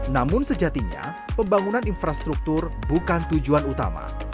namun sejatinya pembangunan infrastruktur bukan tujuan utama